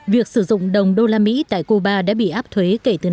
việc sử dụng đồng đô la mỹ tại cuba đã bị áp thuế